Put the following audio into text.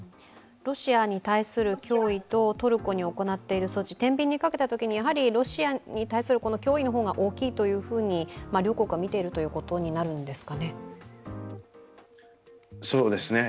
ロシアに対する脅威とトルコに行っている措置、天秤にかけたときに、やはりロシアに対する脅威の方が大きいと両国は見ているということになるんですかね。